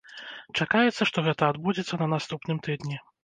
Чакаецца, што гэта адбудзецца на наступным тыдні.